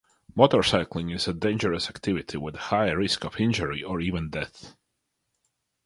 Motorcycling is a dangerous activity with a high risk of injury or even death.